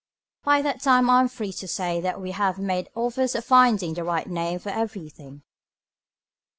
By that time I am free to say that we have made offers of finding the right name for everything.